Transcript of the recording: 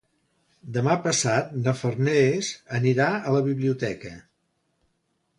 Demà passat na Farners anirà a la biblioteca.